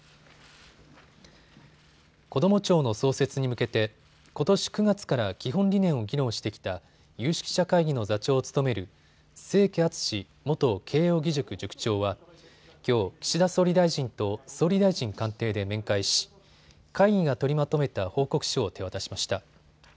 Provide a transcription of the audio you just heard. こども庁の創設に向けてことし９月から基本理念を議論してきた有識者会議の座長を務める清家篤元慶應義塾塾長はきょう、岸田総理大臣と総理大臣官邸で面会し会議が取りまとめた報告書を手渡しました。